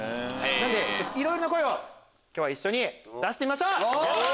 なのでいろいろな声を今日は一緒に出してみましょう！